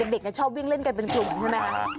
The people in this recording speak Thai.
เด็กชอบวิ่งเล่นกันเป็นกลุ่มใช่ไหมคะ